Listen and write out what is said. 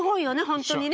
本当にね。